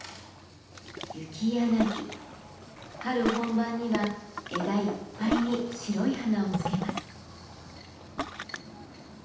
春本番には枝いっぱいに白い花をつけます。